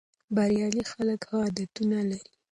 بریالي خلک ښه عادتونه لري.